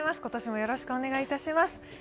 今年もよろしくお願いいたします。